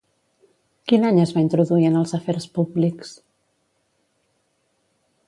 Quin any es va introduir en els afers públics?